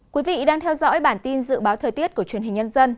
quý vị đang theo dõi bản tin dự báo thời tiết của truyền hình nhân dân